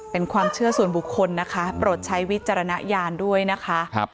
เป็นความเชื่อส่วนบุคคลนะคะโปรดใช้วิจารณญาณด้วยนะคะ